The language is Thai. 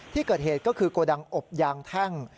ที่เกิดเหตุก็คือโกดังอบยางแท่ง